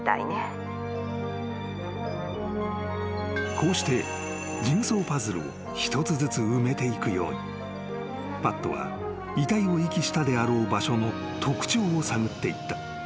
［こうしてジグソーパズルを一つずつ埋めていくようにパットは遺体を遺棄したであろう場所の特徴を探っていった］